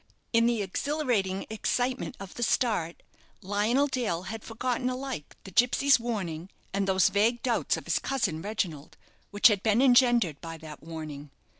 In the exhilarating excitement of the start, Lionel Dale had forgotten alike the gipsy's warning and those vague doubts of his cousin Reginald which had been engendered by that warning.